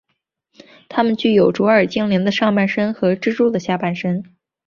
他们具有卓尔精灵的上半身和蜘蛛的下半身。